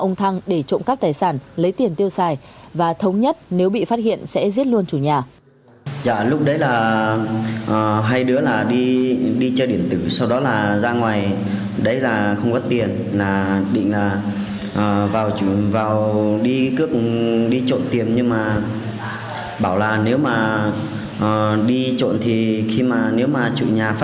đồng thăng để trộm các tài sản lấy tiền tiêu xài và thống nhất nếu bị phát hiện sẽ giết luôn chủ nhà